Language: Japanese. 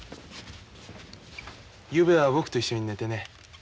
ゆうべは僕と一緒に寝てね。